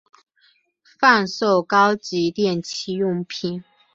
贩售高阶电器用品